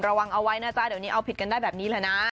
ระวังเอาไว้นะจ๊ะเดี๋ยวนี้เอาผิดกันได้แบบนี้แหละนะ